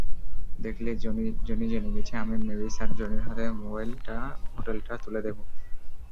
দেখলে, জনি জেনে গেছে, আমি মেভিস আর জনির হাতে হোটেলটা তুলে দিবো।